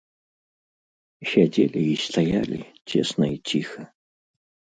Сядзелі і стаялі цесна і ціха.